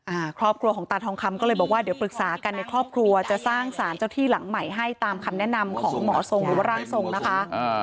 อ่าครอบครัวของตาทองคำก็เลยบอกว่าเดี๋ยวปรึกษากันในครอบครัวจะสร้างสารเจ้าที่หลังใหม่ให้ตามคำแนะนำของหมอทรงหรือว่าร่างทรงนะคะอ่า